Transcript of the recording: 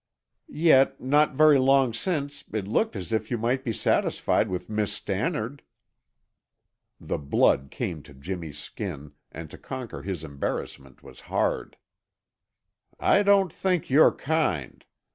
"Yet, not very long since, it looked as if you might be satisfied with Miss Stannard." The blood came to Jimmy's skin, and to conquer his embarrassment was hard. "I don't think you're kind.